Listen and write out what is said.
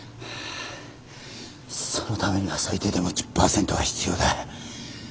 そのためには最低でも１０％は必要だ。